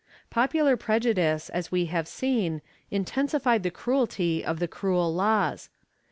^ Popular prejudice, as we have seen, intensified the cruelty of the cruel laws.